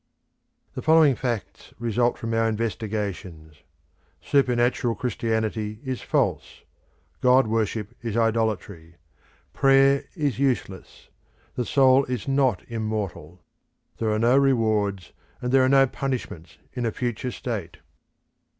The following facts result from our investigations: Supernatural Christianity is false. God worship is idolatry. Prayer is useless. The soul is not immortal. There are no rewards and there are no punishments in a future state.